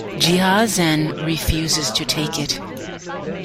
Jiazhen refuses to take it.